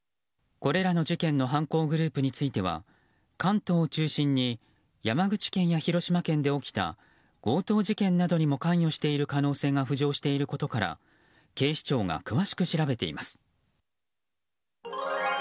これらの事件の犯行グループについては関東を中心に山口県や広島県で起きた強盗事件などにも関与している可能性も浮上していることから警視庁が詳しく調べています。